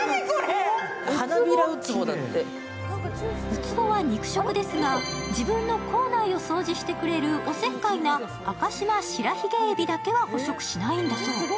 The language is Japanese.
ウツボは肉食ですが、自分の口内を掃除してくれるおせっかいなアカシマシラヒゲエビだけは捕食しないんだそう。